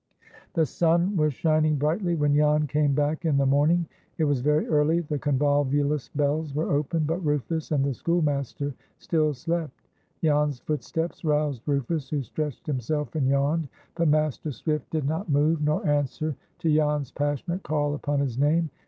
The sun was shining brightly when Jan came back in the morning. It was very early. The convolvulus bells were open, but Rufus and the schoolmaster still slept. Jan's footsteps roused Rufus, who stretched himself and yawned, but Master Swift did not move, nor answer to Jan's passionate call upon his name.